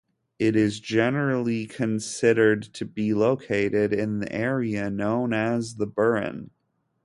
It is generally considered to be located in the area known as the Burren.